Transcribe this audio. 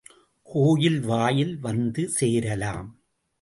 கோயில் வாயில் வந்து சேரலாம்.